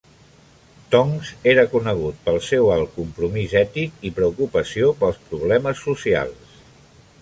Tonks era conegut pel seu alt compromís ètic i preocupació pels problemes socials.